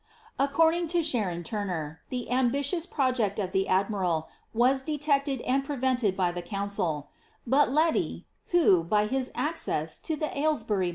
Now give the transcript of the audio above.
According to Sharon Turner, the ambitious project of the admiral was detected and prevented by the roiiiicil ; but Leti, who, by his access to the Aylesbury MSS.